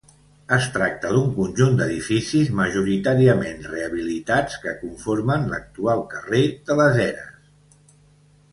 Es tracta d'un conjunt d'edificis majoritàriament rehabilitats, que conformen l'actual carrer de les Eres.